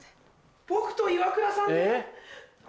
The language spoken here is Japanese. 僕とイワクラさんで。